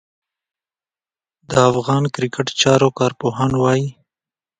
د افغان کرېکټ چارو کارپوهان وايي